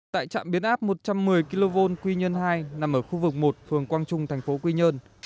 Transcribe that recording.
tại trạm biến áp một trăm một mươi kv quy nhơn hai nằm ở khu vực một phường quang trung thành phố quy nhơn